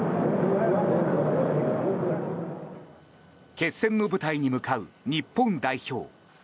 決戦の舞台に向かう日本代表。